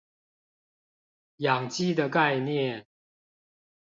養雞的概念